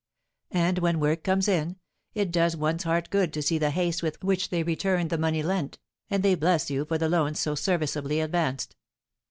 And when work comes in, it does one's heart good to see the haste with which they return the money lent, and they bless you for the loans so serviceably advanced.